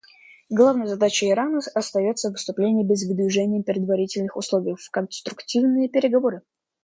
Главной задачей Ирана остается вступление без выдвижения предварительных условий в конструктивные переговоры.